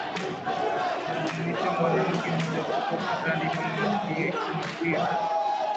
Wanajumuisha mwanamke mmoja kutoka upinzani mama Magwira